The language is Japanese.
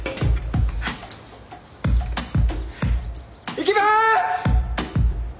いきます！